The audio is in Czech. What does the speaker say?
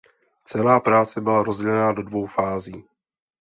Celá práce byla rozdělena do dvou fází.